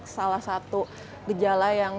salah satu gejala yang